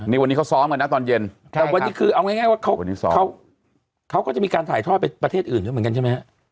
นี่วันนี้เขาซ้อมกันนะตอนเย็นแต่วันนี้คือเอาง่ายว่าเขาก็จะมีการถ่ายทอดไปประเทศอื่นด้วยเหมือนกันใช่ไหมฮะ